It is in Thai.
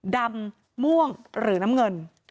ดำม่วงหรือน้ำเงิน